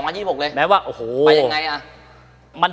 นี่๒๒๖เลยไปยังไง